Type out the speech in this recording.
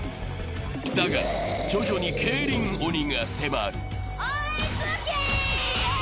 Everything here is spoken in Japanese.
だが、徐々に競輪鬼が迫る。